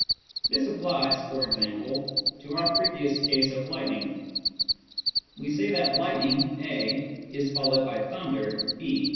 This applies, e.g., to our previous case of lightning. We say that lightning (A) is followed by thunder (B).